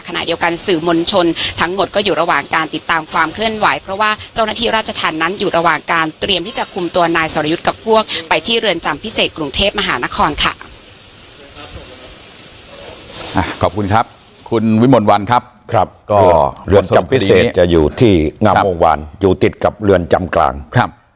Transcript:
ขอบคุณครับคุณวิมวลวัลครับครับก็เรือนจำพิเศษจะอยู่ที่งามวงวานอยู่ติดกับเรือนจำกลางครับ